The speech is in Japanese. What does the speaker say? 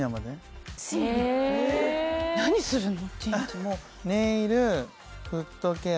何するの？